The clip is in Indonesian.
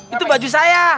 itu baju saya